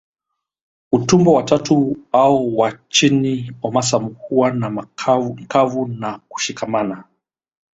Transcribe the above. Utumbo wa tatu au wa chini omasum huwa mkavu na kushikamana